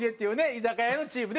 居酒屋のチームで。